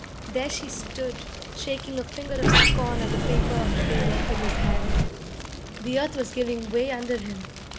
There she stood, shaking a finger of scorn at the paper of Failure in his hand. The earth was giving way under him.